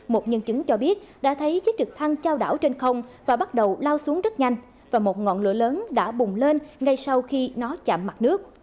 một nhân chứng cho biết đã thấy chiếc trực thăng trao đảo trên không và bắt đầu lao xuống rất nhanh và một ngọn lửa lớn đã bùng lên ngay sau khi nó chạm mặt nước